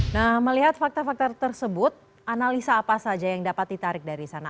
nah melihat fakta fakta tersebut analisa apa saja yang dapat ditarik dari sana